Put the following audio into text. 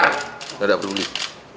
tidak ada perlulih